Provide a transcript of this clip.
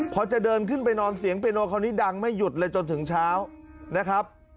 พอจะเดินขึ้นไปนอนเสียงเปียโนคราวนี้ดังไม่หยุดเลยจนถึงเช้านะครับ